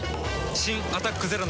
新「アタックＺＥＲＯ」